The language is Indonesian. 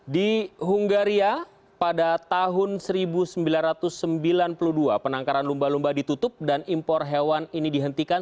di hungaria pada tahun seribu sembilan ratus sembilan puluh dua penangkaran lumba lumba ditutup dan impor hewan ini dihentikan